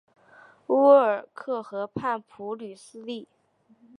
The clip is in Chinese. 乌尔克河畔普吕斯利。